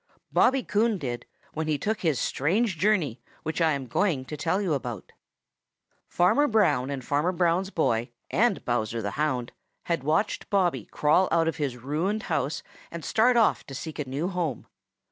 Bobby Coon did when he took his strange journey which I am going to tell you about. Farmer Brown and Farmer Brown's boy and Bowser the Hound had watched Bobby crawl out of his ruined house and start off to seek a new home.